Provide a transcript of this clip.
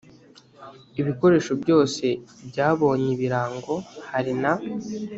ibikoresho byose byabonye ibirango hari na